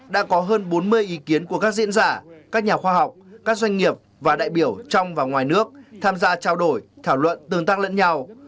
đã có hơn bốn mươi ý kiến của các diễn giả các nhà khoa học các doanh nghiệp và đại biểu trong và ngoài nước tham gia trao đổi thảo luận tương tác lẫn nhau